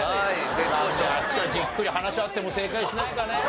なんであっちはじっくり話し合っても正解しないかねえ。